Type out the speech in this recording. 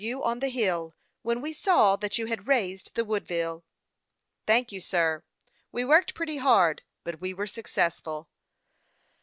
149 you on the hill, when we saw that you had raised the Woodville." " Thank you, sir. We worked pretty hard, but we were successful."